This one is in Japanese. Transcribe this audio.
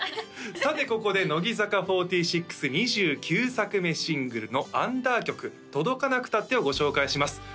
さてここで乃木坂４６２９作目シングルのアンダー曲「届かなくたって」をご紹介します